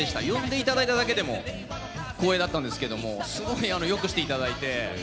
呼んでいただいただけでも光栄だったんですけどすごい、よくしていただいて。